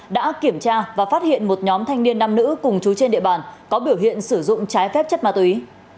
đã kiểm tra và phát hiện một nhóm thanh niên nam nữ cùng chú trên địa bàn có biểu hiện sử dụng trái phép chất ma túy